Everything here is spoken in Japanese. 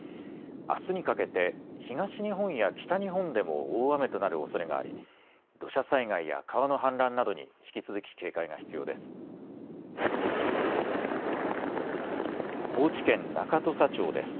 あすにかけて東日本や北日本でも大雨となるおそれがあり土砂災害や川の氾濫などに引き続き警戒が必要です。